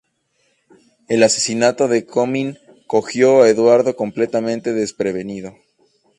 El asesinato de Comyn cogió a Eduardo completamente desprevenido.